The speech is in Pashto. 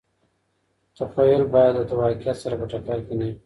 تخیل باید له واقعیت سره په ټکر کي نه وي.